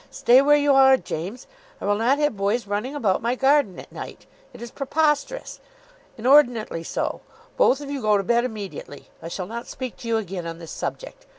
"Stay where you are, James. I will not have boys running about my garden at night. It is preposterous. Inordinately so. Both of you go to bed immediately. I shall not speak to you again on this subject.